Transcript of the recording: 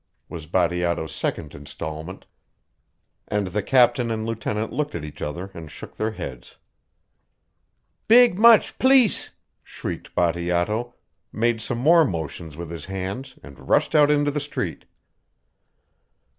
was Bateato's second instalment, and the captain and lieutenant looked at each other and shook their heads. "Big much pleece!" shrieked Bateato, made some more motions with his hands and rushed out into the street.